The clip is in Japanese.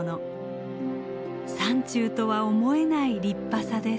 山中とは思えない立派さです。